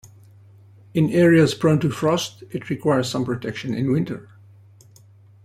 In areas prone to frost, it requires some protection in winter.